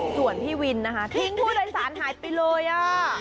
ส่วนพี่วินนะคะทิ้งผู้โดยสารหายไปเลยอ่ะ